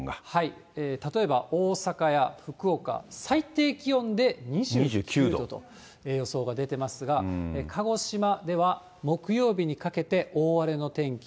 例えば大阪や福岡、最低気温で２９度と予想が出てますが、鹿児島では木曜日にかけて大荒れの天気。